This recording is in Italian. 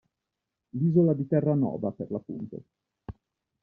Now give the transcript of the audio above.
L'isola di Terranova per l'appunto.